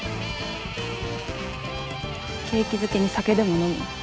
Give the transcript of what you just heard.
景気づけに酒でも飲む？